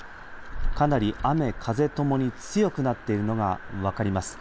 かなり雨風ともに強くなっているのが分かります。